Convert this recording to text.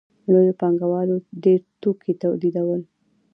لویو پانګوالو ډېر توکي تولیدول